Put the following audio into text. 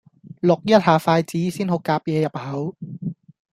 淥一下筷子先好夾野入口